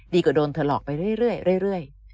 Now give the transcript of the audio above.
ดีกว่าโดนเธอหลอกไปเรื่อยเรื่อยเรื่อยเรื่อย